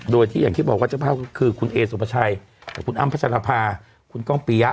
โดยที่อย่างที่บอกว่าเจ้าภาพก็คือคุณเอสุภาชัยกับคุณอ้ำพัชรภาคุณก้องปียะ